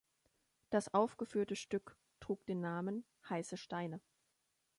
Das aufgeführte Stück trug den Namen "Heiße Steine".